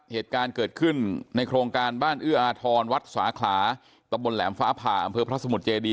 เหตุการณ์เกิดขึ้นในโครงการบ้านเอื้ออาทรวัดสาขาตะบนแหลมฟ้าผ่าอำเภอพระสมุทรเจดี